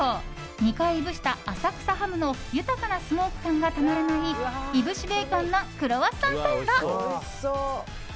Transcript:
２回いぶした浅草ハムの豊かなスモーク感がたまらない燻しベーコンのクロワッサンサンド。